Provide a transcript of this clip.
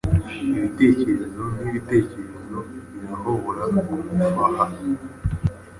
ibitekerezo nibitekerezo birahobora kugufaha